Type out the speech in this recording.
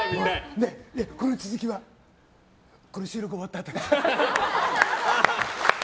この続きはこの収録終わったあとに。